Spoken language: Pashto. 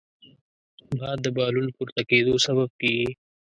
باد د بالون پورته کېدو سبب کېږي